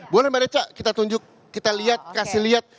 boleh mbd c kita tunjuk kita liat kasih liat